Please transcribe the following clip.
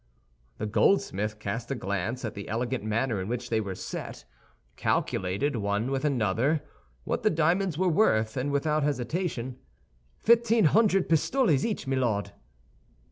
The goldsmith cast a glance at the elegant manner in which they were set, calculated, one with another, what the diamonds were worth, and without hesitation said, "Fifteen hundred pistoles each, my Lord."